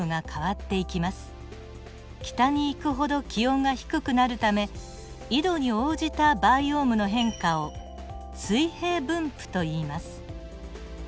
北に行くほど気温が低くなるため緯度に応じたバイオームの変化を水平分布といいます。